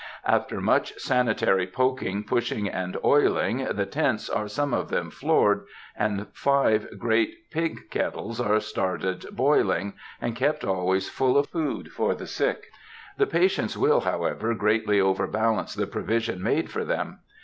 After much sanitary poking, pushing, and oiling, the tents are some of them floored, and five great pig kettles are started boiling, and kept always full of food for the sick. The patients will, however, greatly overbalance the provision made for them.